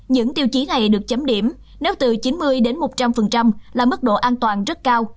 những tiêu chí này được chấm điểm nếu từ chín mươi đến một trăm linh là mức độ an toàn rất cao